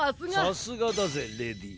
さすがだぜレディー。